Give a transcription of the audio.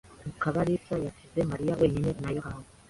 Mukabarisa yasize Mariya wenyine na Yohana.